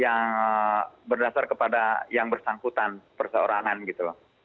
yang berdasar kepada yang bersangkutan perseorangan gitu